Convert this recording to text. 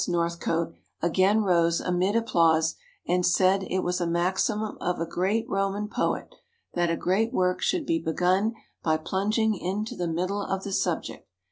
Northcote) again rose amid applause, and said it was a maxim of a great Roman poet that a great work should be begun by plunging into the middle of the subject.